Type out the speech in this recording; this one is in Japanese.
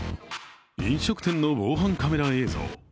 飲食店の防犯カメラ映像。